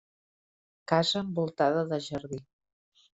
Casa envoltada de jardí.